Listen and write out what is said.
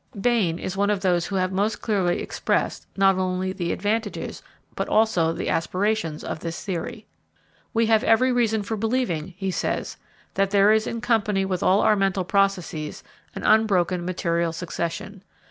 Bain is one of those who have most clearly expressed, not only the advantages, but also the aspirations of this theory (Mind and Body, p. 130): "We have every reason for believing," he says, "that there is in company with all our mental processes, an unbroken material succession.